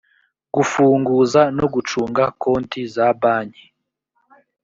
gufunguza no gucunga konti za banki